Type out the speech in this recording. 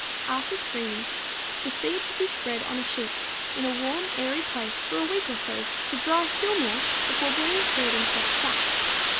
After screening the seed should be spread on a sheet in a warm, airy place for a week or so to dry still more before being stored in cloth sacks.